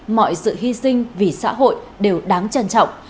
mọi sự hy sinh vì xã hội đều đáng trân trọng